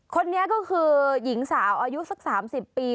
คนนี้ก็คือหญิงสาวอายุสัก๓๐ปี